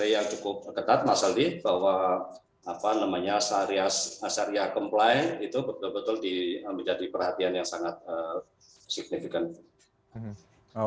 yang cukup ketat mas aldi bahwa syariah comply itu betul betul menjadi perhatian yang sangat signifikan